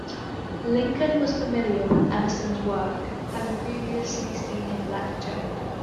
Lincoln was familiar with Emerson's work, having previously seen him lecture.